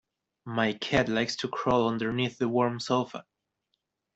My cat likes to crawl underneath the warm sofa.